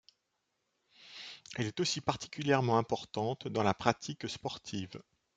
Elle est aussi particulièrement importante dans la pratique sportive.